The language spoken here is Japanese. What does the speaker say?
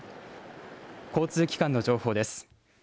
交通機関の情報です。